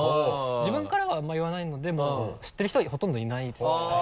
自分からはあんまり言わないので知ってる人はほとんどいないですね。